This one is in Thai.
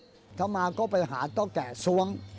อัตมาภาพก็ไปหาต้อแก่สวง